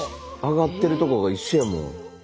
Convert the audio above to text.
上がってるとこが一緒やもん。